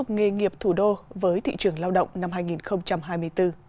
nghề nghiệp thủ đô với thị trường lao động năm hai nghìn hai mươi bốn